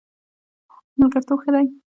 ملګرتوب ښه دی.